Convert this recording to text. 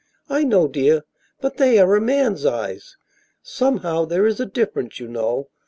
"I know, dear, but they are a man's eyes. Somehow, there is a difference, you know.